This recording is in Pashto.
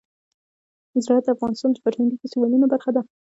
زراعت د افغانستان د فرهنګي فستیوالونو برخه ده.